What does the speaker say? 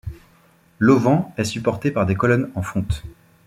L'auvent est supporté par des colonnes en fonte.